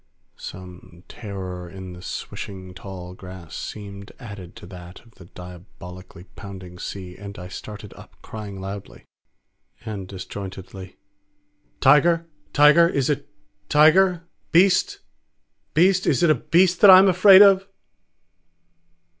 Some terror in the swishing tall grass seemed added to that of the diabolically pounding sea, and I started up crying aloud and disjointedly, "Tiger? Tiger? Is it Tiger? Beast? Beast? Is it a Beast that I am afraid of?"